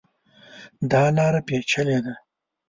دا لاره پېچلې ده.